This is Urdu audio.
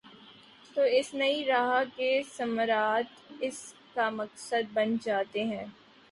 تو اس نئی راہ کے ثمرات اس کا مقدر بن جاتے ہیں ۔